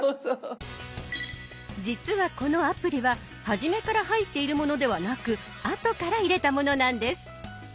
実はこのアプリは初めから入っているものではなく後から入れたものなんです。